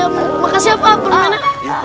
ya makasih pak belum pernah